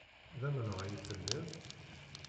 D amenɣay i telliḍ?